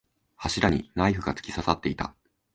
柱にナイフが突き刺さっていた。